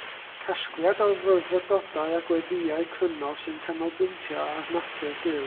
Casgliad o fyfyrdodau a gweddïau cryno sy'n canolbwyntio ar natur Duw.